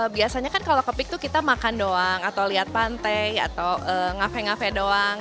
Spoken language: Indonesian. biasanya kan kalau kepik tuh kita makan doang atau lihat pantai atau ngafe ngafe doang